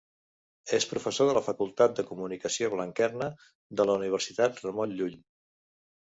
És professor de la Facultat de Comunicació Blanquerna, de la Universitat Ramon Llull.